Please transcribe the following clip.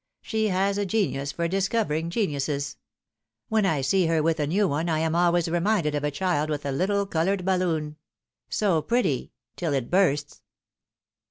She has a genius for discovering geniuses. When I see her with a new one, I am always reminded of a child with a little coloured balloon. So pretty till it bursts